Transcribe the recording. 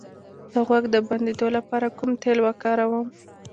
د غوږ د بندیدو لپاره کوم تېل وکاروم؟